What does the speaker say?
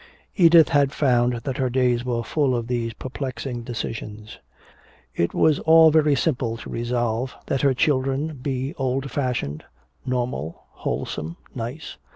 Edith had found that her days were full of these perplexing decisions. It was all very simple to resolve that her children be old fashioned, normal, wholesome, nice.